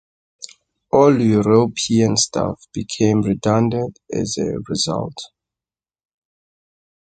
All European staff became redundant as a result.